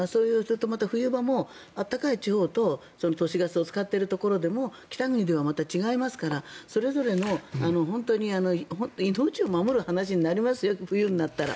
冬場も暖かい地方と都市ガスを使ってるところでも北国ではまた違いますからそれぞれの命を守る話になりますよ、冬になったら。